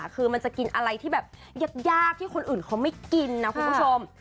คือมันจะกินอะไรที่แบบยากที่คนอื่นเขาไม่กินนะคุณผู้ชม